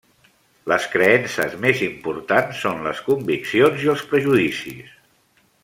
Les creences més importants són les conviccions i els prejudicis.